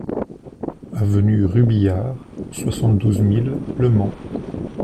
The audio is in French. Avenue Rubillard, soixante-douze mille Le Mans